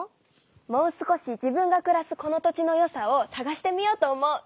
もう少し自分がくらすこの土地の良さをさがしてみようと思う！